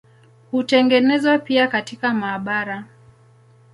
Hutengenezwa pia katika maabara.